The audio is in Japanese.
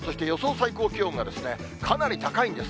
最高気温がかなり高いんです。